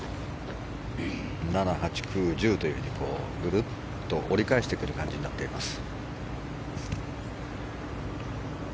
７、８、９、１０というぐるっと折り返してくる感じになっています。